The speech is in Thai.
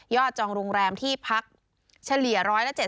จองโรงแรมที่พักเฉลี่ย๑๗๐